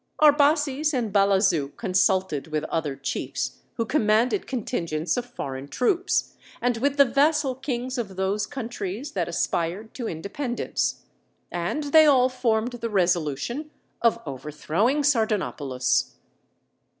Arbaces and Balazu consulted with other chiefs, who commanded contingents of foreign troops, and with the vassal kings of those countries that aspired to independence; and they all formed the resolution of overthrowing Sardanapalus.